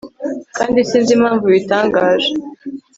kandi sinzi impamvu ubitangaje